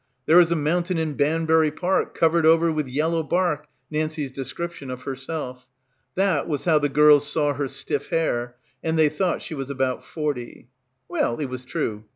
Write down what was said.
"There is a mountain in Banbury Park, covered over with yellow bark," Nancie's descrip tion of herself. That was how the girls saw her stiff hair — and they thought she was "about forty." Well, it was true.